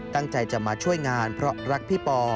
ตั้งใจจะมาช่วยงานเพราะรักพี่ปอ